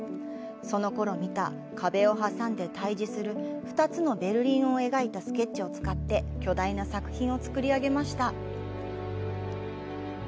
そのころ見た壁を挟んで対峙する２つのベルリンを描いたスケッチを使って巨大な作品を作り上げました。